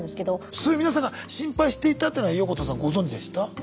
そう皆さんが心配していたっていうのは横田さんご存じでした？